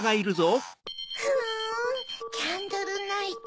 ふんキャンドルナイト。